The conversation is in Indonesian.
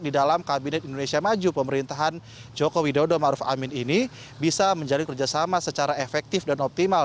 di dalam kabinet indonesia maju pemerintahan joko widodo maruf amin ini bisa menjalin kerjasama secara efektif dan optimal